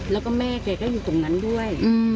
แล้วก็แม่แกก็อยู่ตรงนั้นด้วย